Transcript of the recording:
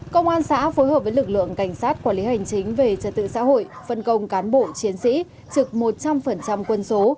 công an xã phối hợp với lực lượng cảnh sát quản lý hành chính về trật tự xã hội phân công cán bộ chiến sĩ trực một trăm linh quân số